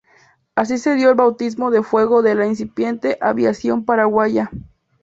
Así se dio el bautismo de fuego de la incipiente aviación paraguaya.